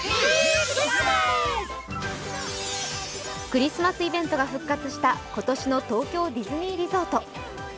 クリスマスイベントが復活した、今年の東京ディズニーリゾート。